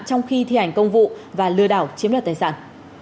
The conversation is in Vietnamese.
trong khi thi hành công vụ và lừa đảo chiếm đoạt tài sản